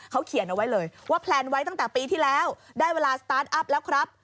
เขาเขียนเอาไว้เลยว่าแพลนไว้ตั้งแต่ปีที่แล้วได้เวลาสตาร์ทอัพแล้วครับ